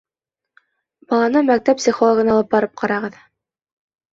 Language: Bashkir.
Баланы мәктәп психологына алып барып ҡарағыҙ.